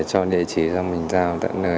để cho địa chỉ ra mình giao tận lợi